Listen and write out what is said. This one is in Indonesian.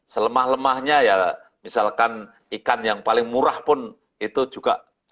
selemah lemahnya ya misalkan ikan yang paling murah pun itu juga